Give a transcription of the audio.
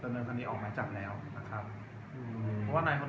แต่ว่าเมืองนี้ก็ไม่เหมือนกับเมืองอื่น